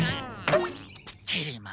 きり丸。